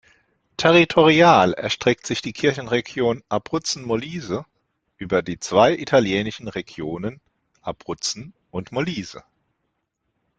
Territorial erstreckt sich die Kirchenregion Abruzzen-Molise über die zwei italienischen Regionen Abruzzen und Molise.